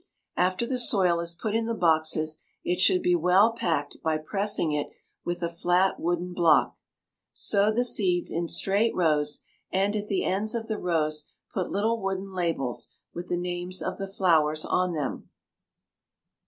After the soil is put in the boxes it should be well packed by pressing it with a flat wooden block. Sow the seeds in straight rows, and at the ends of the rows put little wooden labels with the names of the flowers on them.